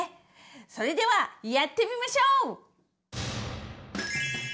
それではやってみましょう！